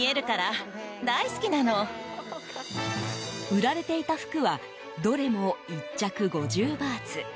売られていた服はどれも１着５０バーツ。